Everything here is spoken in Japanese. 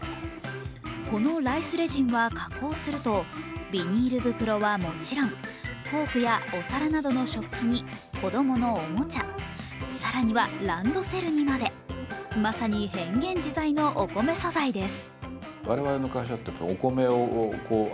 このライスレジンは加工するとビニール袋はもちろん、フォークやお皿などの食器に子供のおもちゃ、更にはランドセルにまでまさに変幻自在のお米素材です。